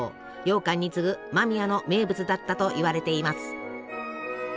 ようかんに次ぐ間宮の名物だったといわれています。